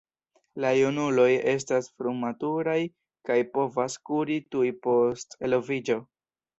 La junuloj estas frumaturaj kaj povas kuri tuj post eloviĝo.